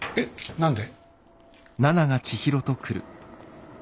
何で？